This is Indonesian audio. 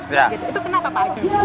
itu kenapa pak